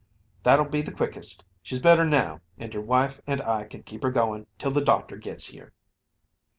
"That'll be the quickest. She's better now, and your wife and I can keep her goin' till the doctor gits here."